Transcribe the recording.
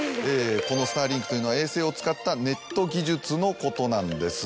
スターリンクというのは衛星を使ったネット技術のことなんです。